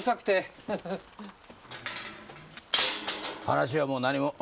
話はもう何も。